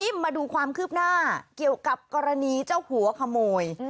มาดูความคืบหน้าเกี่ยวกับกรณีเจ้าหัวขโมย